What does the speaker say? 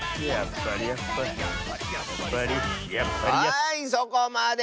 はいそこまで！